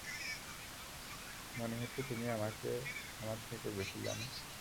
মনে হচ্ছে, তুমি আমাকে আমার থেকেও বেশি জানো।